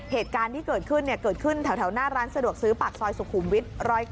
เหตุการณ์ที่เกิดขึ้นเกิดขึ้นแถวหน้าร้านสะดวกซื้อปากซอยสุขุมวิท๑๐๙